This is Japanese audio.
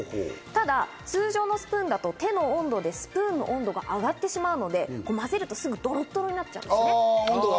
ただ通常のスプーンだと手の温度でスプーンの温度が上がってしまうので、混ぜるとすぐドロドロになっちゃうんですね。